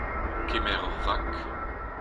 kemer ur vag